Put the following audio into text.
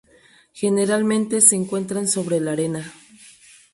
Generalmente se encuentran sobre la arena.